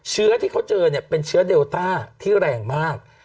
เชื้อที่เขาเจอเนี่ยเป็นเชื้อเดลต้าที่แรงมาก